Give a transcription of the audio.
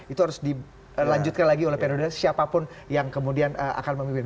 itu harus dilanjutkan lagi oleh periode siapapun yang kemudian akan memimpin